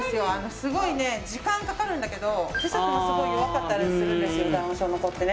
すごいね、時間かかるんだけど、手先がすごい弱かったりするんですよ、ダウン症の子ってね。